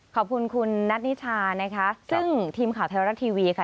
ขอบคุณคุณนัทนิชานะคะซึ่งทีมข่าวไทยรัฐทีวีค่ะ